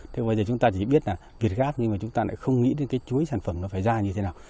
thế bây giờ chúng ta chỉ biết là việt gáp nhưng mà chúng ta lại không nghĩ đến cái chuỗi sản phẩm nó phải ra như thế nào